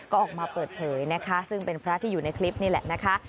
ก็ออกมาเปิดเผยนะคะซึ่งเป็นพระที่อยู่ในคลิปนี่แหละนะคะ